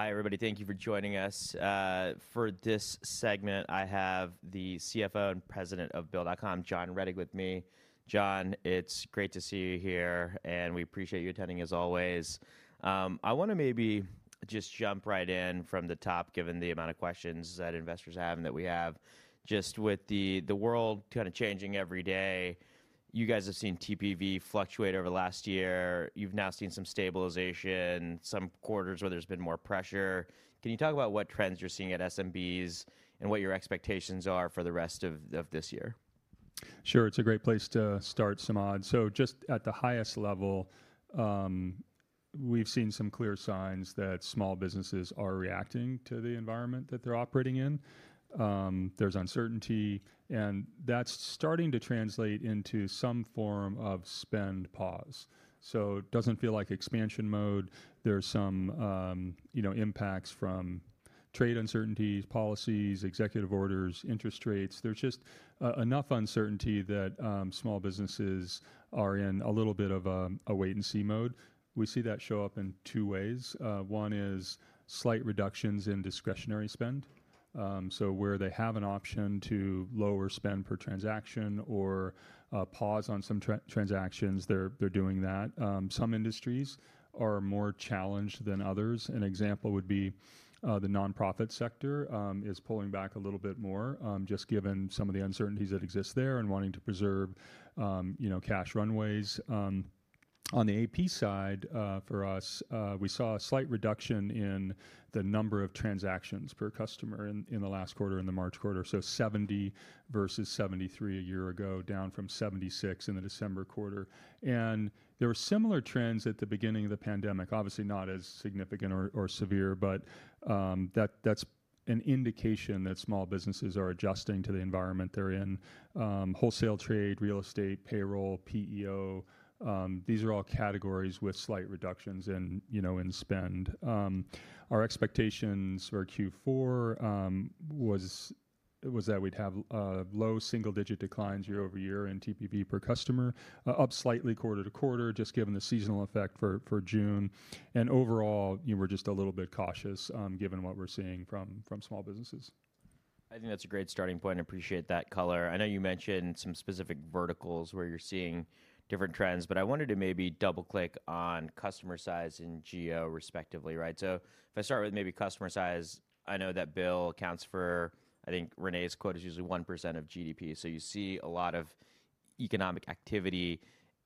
Hi, everybody. Thank you for joining us. For this segment, I have the CFO and President of BILL, John Rettig, with me. John, it's great to see you here, and we appreciate you attending as always. I want to maybe just jump right in from the top, given the amount of questions that investors have and that we have. Just with the world kind of changing every day, you guys have seen TPV fluctuate over the last year. You've now seen some stabilization, some quarters where there's been more pressure. Can you talk about what trends you're seeing at SMBs and what your expectations are for the rest of this year? Sure. It's a great place to start, Simad. Just at the highest level, we've seen some clear signs that small businesses are reacting to the environment that they're operating in. There's uncertainty, and that's starting to translate into some form of spend pause. It doesn't feel like expansion mode. There are some, you know, impacts from trade uncertainties, policies, executive orders, interest rates. There's just enough uncertainty that small businesses are in a little bit of a wait-and-see mode. We see that show up in two ways. One is slight reductions in discretionary spend. Where they have an option to lower spend per transaction or pause on some transactions, they're doing that. Some industries are more challenged than others. An example would be, the nonprofit sector is pulling back a little bit more, just given some of the uncertainties that exist there and wanting to preserve, you know, cash runways. On the AP side, for us, we saw a slight reduction in the number of transactions per customer in the last quarter, in the March quarter. So 70 versus 73 a year ago, down from 76 in the December quarter. There were similar trends at the beginning of the pandemic, obviously not as significant or severe, but that's an indication that small businesses are adjusting to the environment they're in. Wholesale trade, real estate, payroll, PEO, these are all categories with slight reductions in, you know, in spend. Our expectations for Q4 was that we'd have low single-digit declines year over year in TPV per customer, up slightly quarter to quarter, just given the seasonal effect for June. Overall, you know, we're just a little bit cautious, given what we're seeing from small businesses. I think that's a great starting point. I appreciate that color. I know you mentioned some specific verticals where you're seeing different trends, but I wanted to maybe double-click on customer size and geo, respectively, right? If I start with maybe customer size, I know that BILL accounts for, I think René's quote is usually 1% of GDP. You see a lot of economic activity.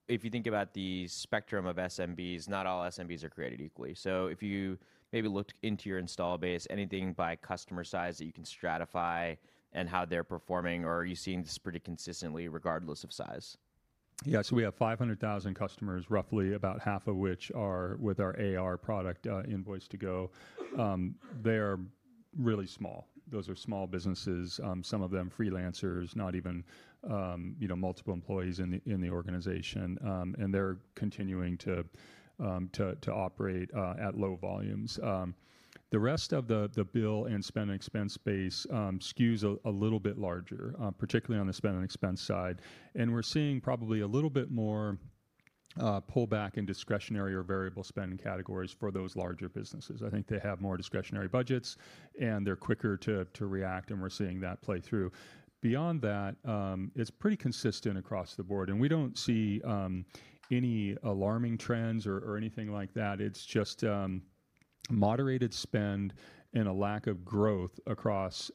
If you think about the spectrum of SMBs, not all SMBs are created equally. If you maybe looked into your install base, anything by customer size that you can stratify and how they're performing, or are you seeing this pretty consistently regardless of size? Yeah. We have 500,000 customers, roughly about half of which are with our AR product, Invoice2Go. They are really small. Those are small businesses, some of them freelancers, not even, you know, multiple employees in the organization. They're continuing to operate at low volumes. The rest of the BILL and spend and expense space skews a little bit larger, particularly on the spend and expense side. We're seeing probably a little bit more pullback in discretionary or variable spend categories for those larger businesses. I think they have more discretionary budgets and they're quicker to react, and we're seeing that play through. Beyond that, it's pretty consistent across the board, and we don't see any alarming trends or anything like that. It's just moderated spend and a lack of growth across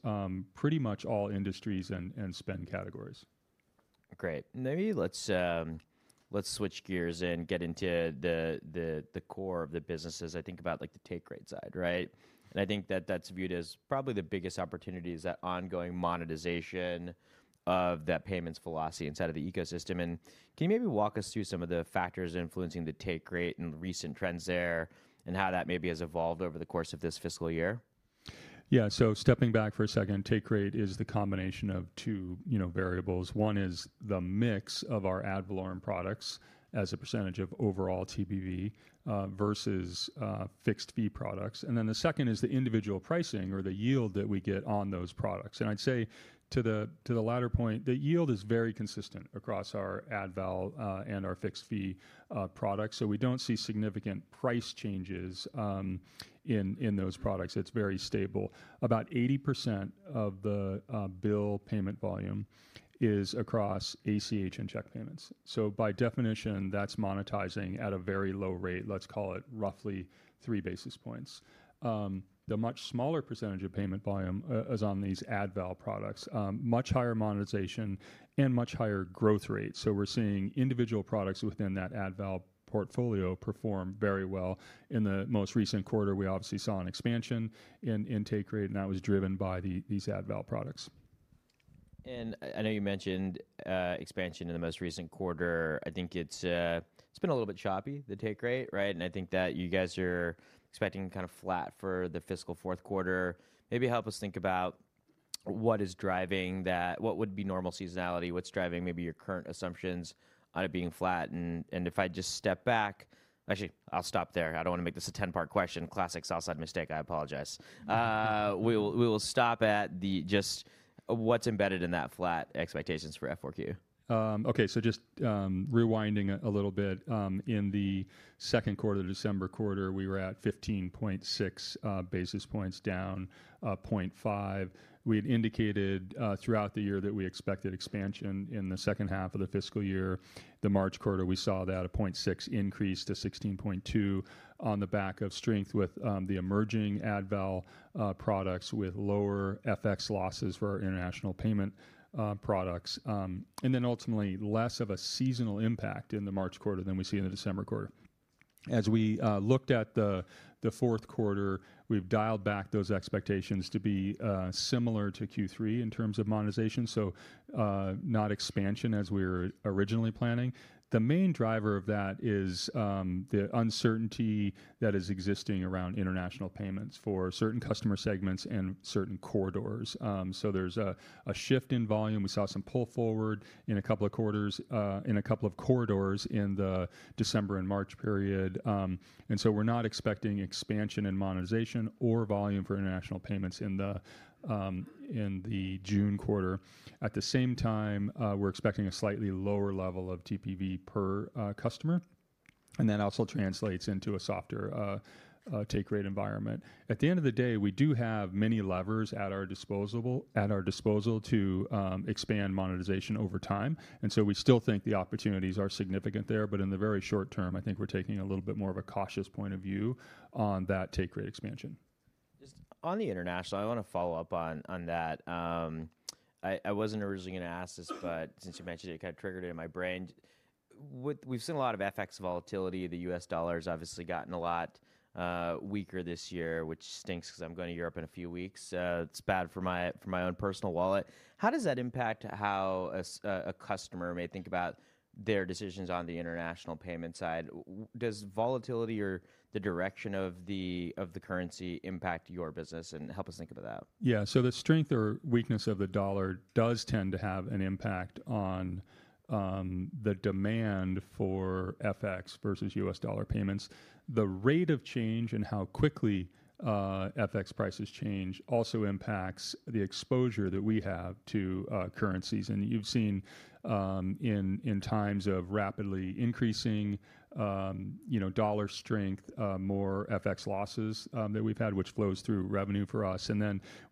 pretty much all industries and spend categories. Great. Maybe let's switch gears and get into the core of the businesses. I think about, like, the take rate side, right? I think that that's viewed as probably the biggest opportunity is that ongoing monetization of that payments velocity inside of the ecosystem. Can you maybe walk us through some of the factors influencing the take rate and recent trends there and how that maybe has evolved over the course of this fiscal year? Yeah. So stepping back for a second, take rate is the combination of two, you know, variables. One is the mix of our Ad Valorem products as a percentage of overall TPV, versus fixed fee products. And then the second is the individual pricing or the yield that we get on those products. I'd say to the latter point, the yield is very consistent across our Ad Valorem and our fixed fee products. We do not see significant price changes in those products. It is very stable. About 80% of the bill payment volume is across ACH and check payments. By definition, that is monetizing at a very low rate, let's call it roughly three basis points. The much smaller percentage of payment volume is on these Ad Valorem products, much higher monetization and much higher growth rates. We are seeing individual products within that Ad Valorem portfolio perform very well. In the most recent quarter, we obviously saw an expansion in take rate, and that was driven by these Ad Valorem products. I know you mentioned expansion in the most recent quarter. I think it's been a little bit choppy, the take rate, right? I think that you guys are expecting kind of flat for the fiscal fourth quarter. Maybe help us think about what is driving that, what would be normal seasonality, what's driving maybe your current assumptions on it being flat. If I just step back, actually, I'll stop there. I don't want to make this a 10-part question. Classic Southside mistake. I apologize. We will stop at just what's embedded in that flat expectations for F4Q. Okay. Just rewinding a little bit, in the second quarter, the December quarter, we were at 15.6 basis points, down 0.5. We had indicated throughout the year that we expected expansion in the second half of the fiscal year. The March quarter, we saw a 0.6 increase to 16.2 on the back of strength with the emerging Ad Val products, with lower FX losses for our international payment products. Ultimately, less of a seasonal impact in the March quarter than we see in the December quarter. As we looked at the fourth quarter, we've dialed back those expectations to be similar to Q3 in terms of monetization, not expansion as we were originally planning. The main driver of that is the uncertainty that is existing around international payments for certain customer segments and certain corridors. There is a shift in volume. We saw some pull forward in a couple of quarters, in a couple of corridors in the December and March period. We are not expecting expansion in monetization or volume for international payments in the June quarter. At the same time, we are expecting a slightly lower level of TPV per customer. That also translates into a softer take rate environment. At the end of the day, we do have many levers at our disposal to expand monetization over time. We still think the opportunities are significant there. In the very short term, I think we are taking a little bit more of a cautious point of view on that take rate expansion. Just on the international, I wanna follow up on that. I wasn't originally gonna ask this, but since you mentioned it, it kind of triggered it in my brain. We've seen a lot of FX volatility. The U.S. dollar's obviously gotten a lot weaker this year, which stinks 'cause I'm going to Europe in a few weeks. It's bad for my own personal wallet. How does that impact how a customer may think about their decisions on the international payment side? Does volatility or the direction of the currency impact your business? Help us think about that. Yeah. The strength or weakness of the dollar does tend to have an impact on the demand for FX versus U.S. dollar payments. The rate of change and how quickly FX prices change also impacts the exposure that we have to currencies. You have seen, in times of rapidly increasing dollar strength, more FX losses that we have had, which flows through revenue for us.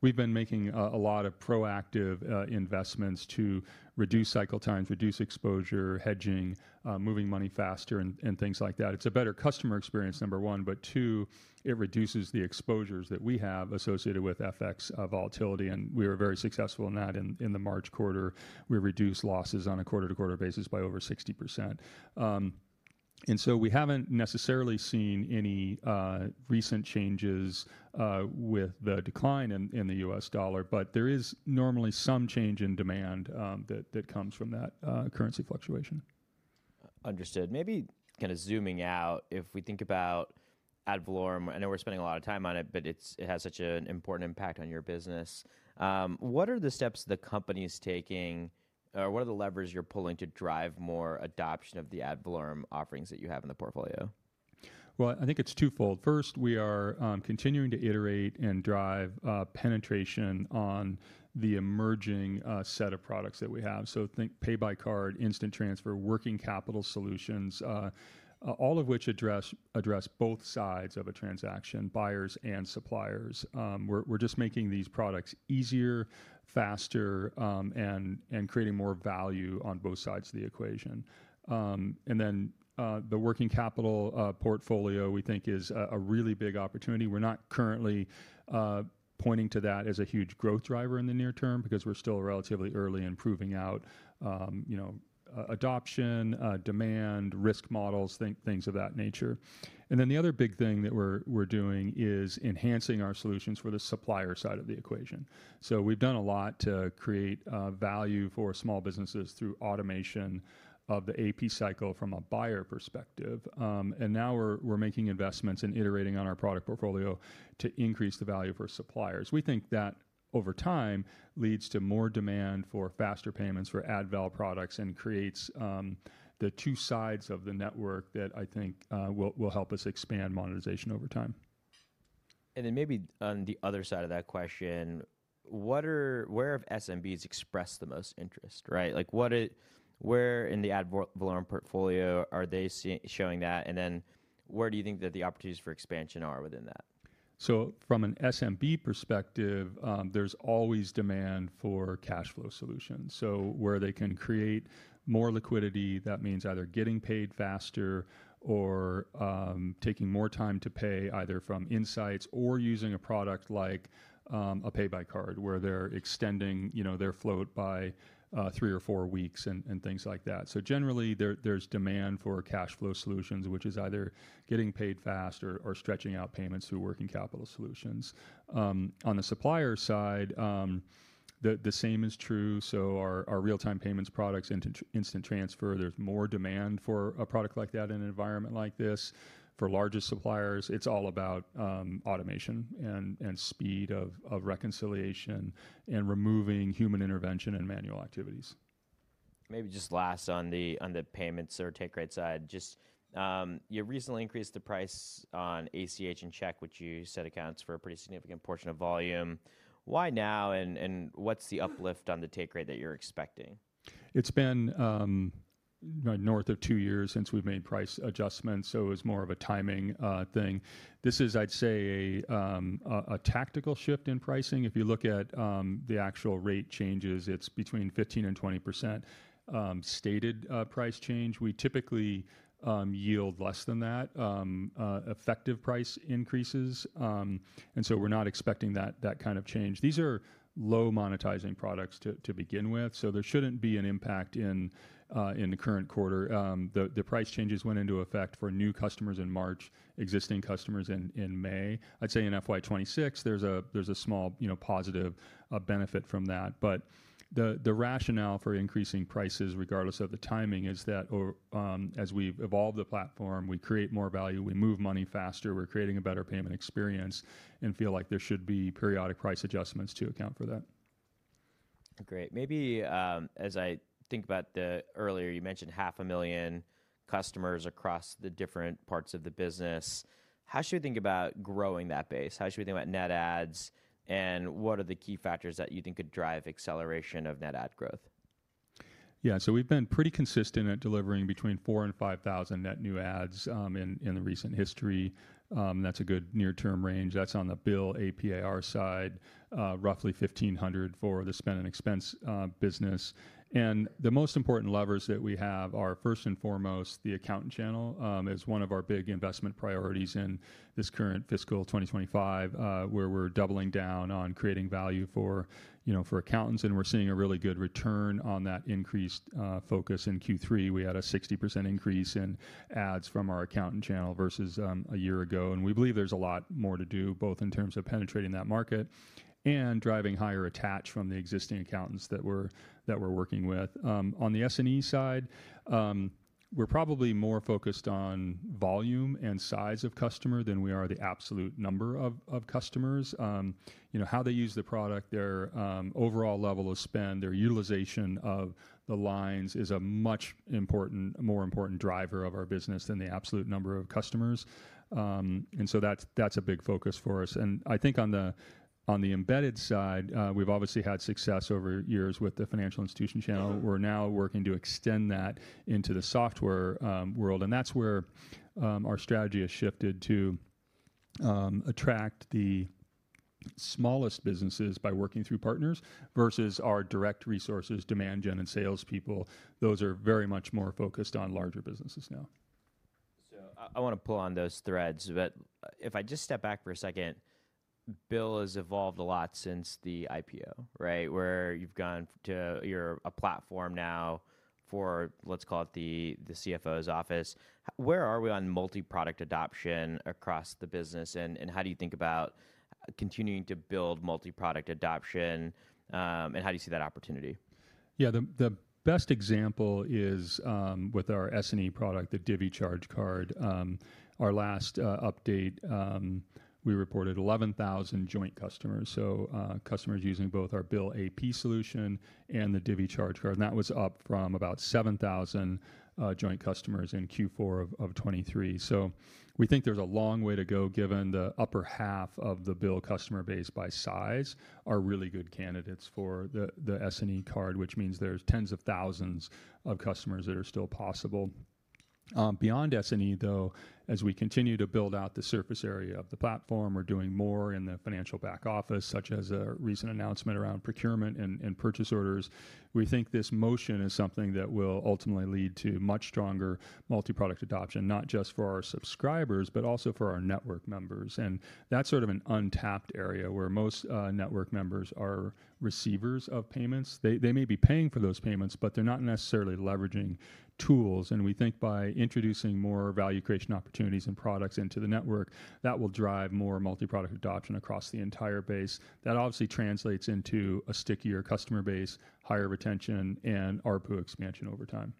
We have been making a lot of proactive investments to reduce cycle times, reduce exposure, hedging, moving money faster and things like that. It is a better customer experience, number one. Two, it reduces the exposures that we have associated with FX volatility. We were very successful in that in the March quarter. We reduced losses on a quarter-to-quarter basis by over 60%. We haven't necessarily seen any recent changes with the decline in the U.S. dollar, but there is normally some change in demand that comes from that currency fluctuation. Understood. Maybe kind of zooming out, if we think about Ad Valorem, I know we're spending a lot of time on it, but it's, it has such an important impact on your business. What are the steps the company's taking, or what are the levers you're pulling to drive more adoption of the Ad Valorem offerings that you have in the portfolio? I think it's twofold. First, we are continuing to iterate and drive penetration on the emerging set of products that we have. Think Pay by Card, Instant Transfer, Working Capital Solutions, all of which address both sides of a transaction, buyers and suppliers. We're just making these products easier, faster, and creating more value on both sides of the equation. Then the working capital portfolio, we think, is a really big opportunity. We're not currently pointing to that as a huge growth driver in the near term because we're still relatively early in proving out, you know, adoption, demand, risk models, things of that nature. The other big thing that we're doing is enhancing our solutions for the supplier side of the equation. We've done a lot to create value for small businesses through automation of the AP cycle from a buyer perspective, and now we're making investments and iterating on our product portfolio to increase the value for suppliers. We think that over time leads to more demand for faster payments for Ad Val products and creates the two sides of the network that I think will help us expand monetization over time. Maybe on the other side of that question, what are, where have SMBs expressed the most interest, right? Like what it, where in the Ad Valorem portfolio are they seeing, showing that? And then where do you think that the opportunities for expansion are within that? From an SMB perspective, there's always demand for cashflow solutions. Where they can create more liquidity, that means either getting paid faster or taking more time to pay, either from insights or using a product like Pay by Card where they're extending their float by three or four weeks and things like that. Generally, there's demand for cashflow solutions, which is either getting paid fast or stretching out payments through working capital solutions. On the supplier side, the same is true. Our real-time payments products and Instant Transfer, there's more demand for a product like that in an environment like this. For larger suppliers, it's all about automation and speed of reconciliation and removing human intervention and manual activities. Maybe just last on the, on the payments or take rate side, just, you recently increased the price on ACH and check, which you said accounts for a pretty significant portion of volume. Why now, and what's the uplift on the take rate that you're expecting? It's been north of two years since we've made price adjustments. It was more of a timing thing. This is, I'd say, a tactical shift in pricing. If you look at the actual rate changes, it's between 15%-20% stated price change. We typically yield less than that, effective price increases, and so we're not expecting that kind of change. These are low monetizing products to begin with. There shouldn't be an impact in the current quarter. The price changes went into effect for new customers in March, existing customers in May. I'd say in FY 2026, there's a small, you know, positive benefit from that. The rationale for increasing prices regardless of the timing is that, as we've evolved the platform, we create more value, we move money faster, we're creating a better payment experience and feel like there should be periodic price adjustments to account for that. Great. Maybe, as I think about the earlier, you mentioned 500,000 customers across the different parts of the business. How should we think about growing that base? How should we think about net ads and what are the key factors that you think could drive acceleration of net ad growth? Yeah. We've been pretty consistent at delivering between 4,000-5,000 net new ads in the recent history. That's a good near-term range. That's on the BILL APAR side, roughly 1,500 for the spend and expense business. The most important levers that we have are, first and foremost, the accountant channel is one of our big investment priorities in this current fiscal 2025, where we're doubling down on creating value for, you know, for accountants. We're seeing a really good return on that increased focus in Q3. We had a 60% increase in ads from our accountant channel versus a year ago. We believe there's a lot more to do both in terms of penetrating that market and driving higher attach from the existing accountants that we're working with. On the S and E side, we're probably more focused on volume and size of customer than we are the absolute number of customers. You know, how they use the product, their overall level of spend, their utilization of the lines is a much more important driver of our business than the absolute number of customers. That's a big focus for us. I think on the embedded side, we've obviously had success over years with the financial institution channel. We're now working to extend that into the software world. That's where our strategy has shifted to attract the smallest businesses by working through partners versus our direct resources, demand gen, and salespeople. Those are very much more focused on larger businesses now. I wanna pull on those threads, but if I just step back for a second, BILL has evolved a lot since the IPO, right? Where you've gone to, you're a platform now for, let's call it the CFO's office. Where are we on multi-product adoption across the business? And how do you think about continuing to build multi-product adoption? And how do you see that opportunity? Yeah. The best example is, with our S and E product, the Divvy Charge Card. Our last update, we reported 11,000 joint customers. Customers using both our BILL AP solution and the Divvy Charge Card. That was up from about 7,000 joint customers in Q4 of 2023. We think there's a long way to go given the upper half of the BILL customer base by size are really good candidates for the S and E card, which means there's tens of thousands of customers that are still possible. Beyond S and E though, as we continue to build out the surface area of the platform, we're doing more in the financial back office, such as a recent announcement around procurement and purchase orders. We think this motion is something that will ultimately lead to much stronger multi-product adoption, not just for our subscribers, but also for our network members. That is sort of an untapped area where most network members are receivers of payments. They may be paying for those payments, but they are not necessarily leveraging tools. We think by introducing more value creation opportunities and products into the network, that will drive more multi-product adoption across the entire base. That obviously translates into a stickier customer base, higher retention, and ARPU expansion over time.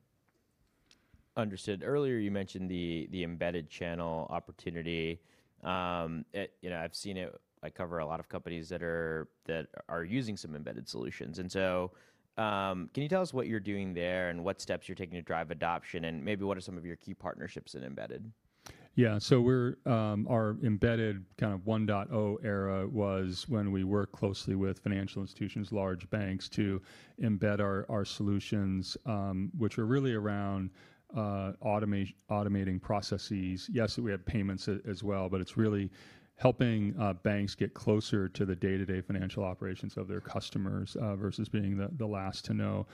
Understood. Earlier you mentioned the embedded channel opportunity. You know, I've seen it. I cover a lot of companies that are using some embedded solutions. Can you tell us what you're doing there and what steps you're taking to drive adoption? Maybe what are some of your key partnerships in embedded? Yeah. So our embedded kind of 1.0 era was when we worked closely with financial institutions, large banks to embed our solutions, which are really around automating processes. Yes, we have payments as well, but it's really helping banks get closer to the day-to-day financial operations of their customers, versus being the last to know.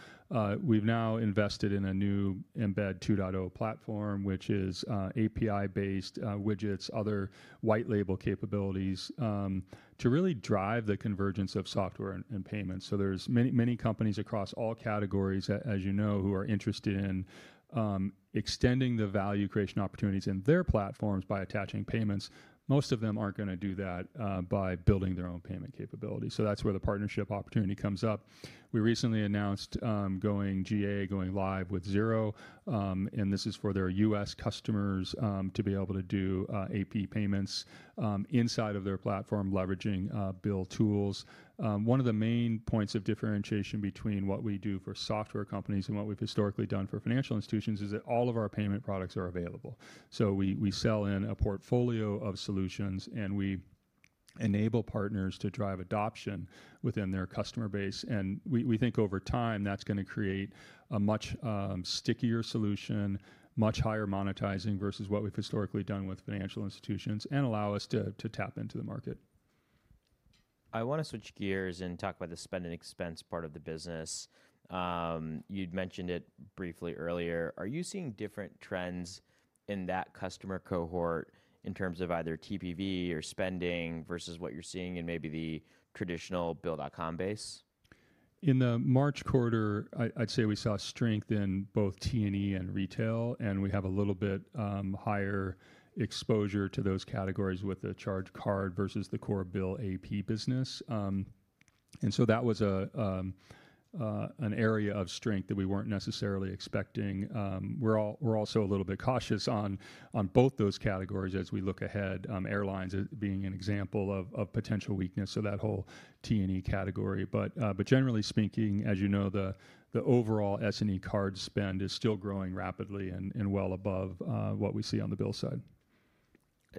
We've now invested in a new embedded 2.0 platform, which is API-based, widgets, other white label capabilities, to really drive the convergence of software and payments. There are many, many companies across all categories that, as you know, are interested in extending the value creation opportunities in their platforms by attaching payments. Most of them aren't gonna do that by building their own payment capability. That's where the partnership opportunity comes up. We recently announced, going GA, going live with Xero, and this is for their US customers, to be able to do AP payments inside of their platform, leveraging BILL tools. One of the main points of differentiation between what we do for software companies and what we've historically done for financial institutions is that all of our payment products are available. We sell in a portfolio of solutions and we enable partners to drive adoption within their customer base. We think over time that's gonna create a much stickier solution, much higher monetizing versus what we've historically done with financial institutions and allow us to tap into the market. I wanna switch gears and talk about the spend and expense part of the business. You'd mentioned it briefly earlier. Are you seeing different trends in that customer cohort in terms of either TPV or spending versus what you're seeing in maybe the traditional BILL.com base? In the March quarter, I'd say we saw strength in both T and E and retail, and we have a little bit higher exposure to those categories with the charge card versus the core BILL AP business. That was an area of strength that we weren't necessarily expecting. We're also a little bit cautious on both those categories as we look ahead, airlines being an example of potential weakness of that whole T and E category. Generally speaking, as you know, the overall S and E card spend is still growing rapidly and well above what we see on the BILL side.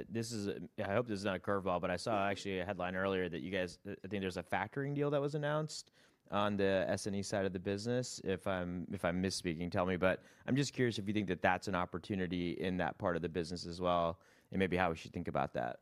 This is a, I hope this is not a curveball, but I saw actually a headline earlier that you guys, I think there's a factoring deal that was announced on the S and E side of the business. If I'm, if I'm misspeaking, tell me, but I'm just curious if you think that that's an opportunity in that part of the business as well and maybe how we should think about that.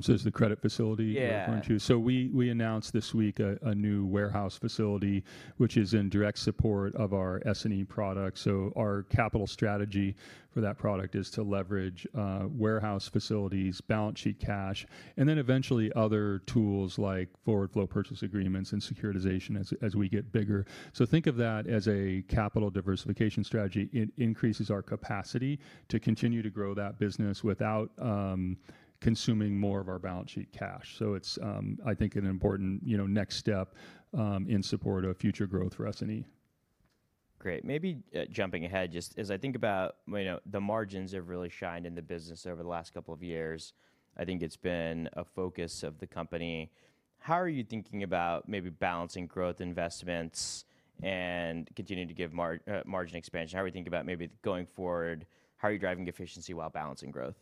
So it's the credit facility. Yeah. Yeah. We announced this week a new warehouse facility, which is in direct support of our S and E product. Our capital strategy for that product is to leverage warehouse facilities, balance sheet cash, and then eventually other tools like forward flow purchase agreements and securitization as we get bigger. Think of that as a capital diversification strategy. It increases our capacity to continue to grow that business without consuming more of our balance sheet cash. I think it's an important, you know, next step in support of future growth for S and E. Great. Maybe, jumping ahead, just as I think about, you know, the margins have really shined in the business over the last couple of years. I think it's been a focus of the company. How are you thinking about maybe balancing growth investments and continuing to give margin expansion? How are we thinking about maybe going forward? How are you driving efficiency while balancing growth?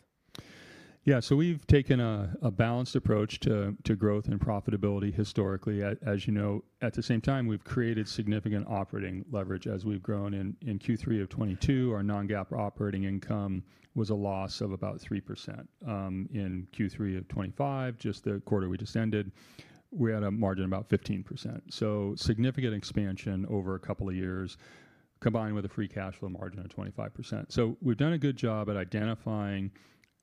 Yeah. So we've taken a balanced approach to growth and profitability historically. As you know, at the same time, we've created significant operating leverage as we've grown in Q3 of 2022. Our non-GAAP operating income was a loss of about 3%. In Q3 of 2025, just the quarter we just ended, we had a margin of about 15%. Significant expansion over a couple of years combined with a free cash flow margin of 25%. We've done a good job at identifying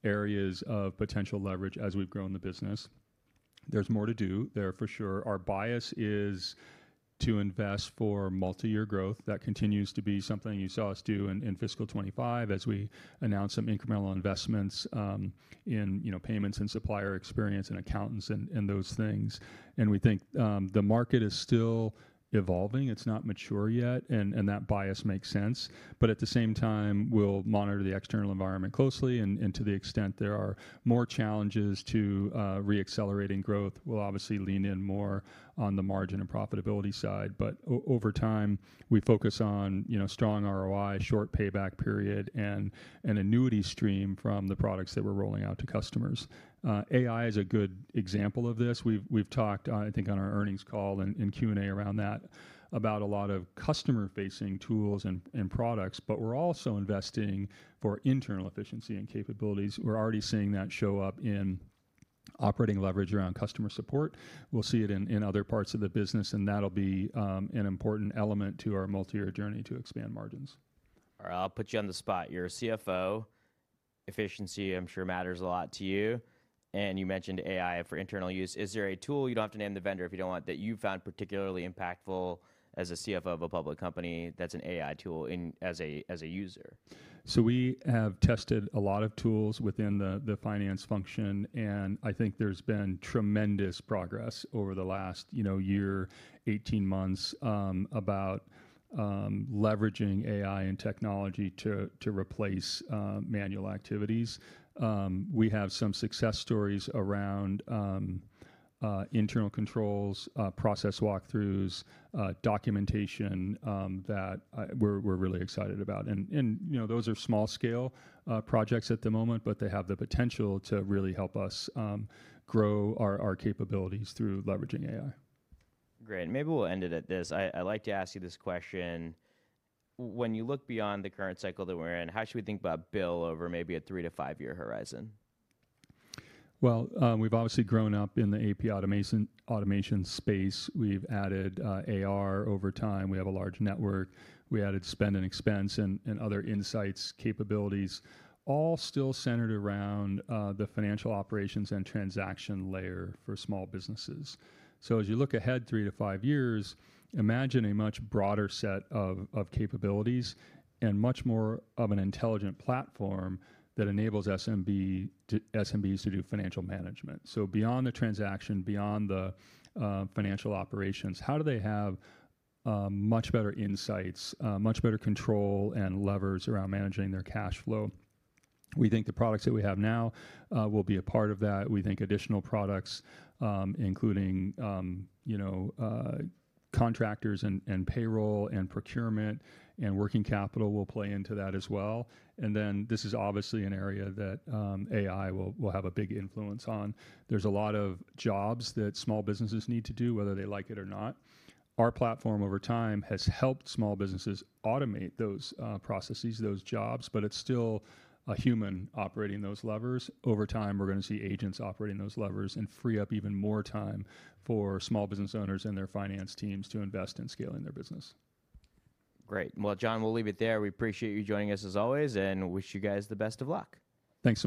areas of potential leverage as we've grown the business. There's more to do there for sure. Our bias is to invest for multi-year growth. That continues to be something you saw us do in fiscal 2025 as we announced some incremental investments in payments and supplier experience and accountants and those things. We think the market is still evolving. It's not mature yet. That bias makes sense. At the same time, we'll monitor the external environment closely. To the extent there are more challenges to re-accelerating growth, we'll obviously lean in more on the margin and profitability side. Over time, we focus on strong ROI, short payback period, and annuity stream from the products that we're rolling out to customers. AI is a good example of this. We've talked, I think on our earnings call and Q and A around that, about a lot of customer-facing tools and products, but we're also investing for internal efficiency and capabilities. We're already seeing that show up in operating leverage around customer support. We'll see it in other parts of the business, and that'll be an important element to our multi-year journey to expand margins. All right. I'll put you on the spot. You're a CFO. Efficiency, I'm sure matters a lot to you. And you mentioned AI for internal use. Is there a tool, you don't have to name the vendor if you don't want, that you found particularly impactful as a CFO of a public company that's an AI tool in as a, as a user? We have tested a lot of tools within the finance function, and I think there's been tremendous progress over the last year, 18 months, about leveraging AI and technology to replace manual activities. We have some success stories around internal controls, process walkthroughs, documentation, that we're really excited about. You know, those are small scale projects at the moment, but they have the potential to really help us grow our capabilities through leveraging AI. Great. Maybe we'll end it at this. I like to ask you this question. When you look beyond the current cycle that we're in, how should we think about BILL over maybe a three to five-year horizon? We've obviously grown up in the AP automation space. We've added AR over time. We have a large network. We added spend and expense and other insights capabilities, all still centered around the financial operations and transaction layer for small businesses. As you look ahead three to five years, imagine a much broader set of capabilities and much more of an intelligent platform that enables SMBs to do financial management. Beyond the transaction, beyond the financial operations, how do they have much better insights, much better control and levers around managing their cash flow? We think the products that we have now will be a part of that. We think additional products, including, you know, contractors and payroll and procurement and working capital, will play into that as well. This is obviously an area that AI will have a big influence on. There are a lot of jobs that small businesses need to do, whether they like it or not. Our platform over time has helped small businesses automate those processes, those jobs, but it is still a human operating those levers. Over time, we are going to see agents operating those levers and free up even more time for small business owners and their finance teams to invest in scaling their business. Great. John, we'll leave it there. We appreciate you joining us as always and wish you guys the best of luck. Thanks.